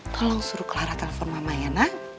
tolong suruh clara telpon mama ya nak